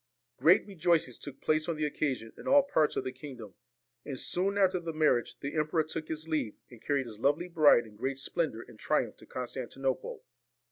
Great rejoicings took place on the occasion in all parts of the kingdom ; and soon after the marriage the emperor took his leave, and carried his lovely bride in great splendour and triumph to Constantinople.